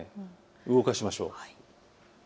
動かしましょう。